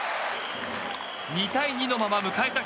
２対２のまま迎えた